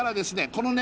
このね